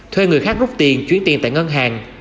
thuê người khác góp tiền chuyển tiền tại ngân hàng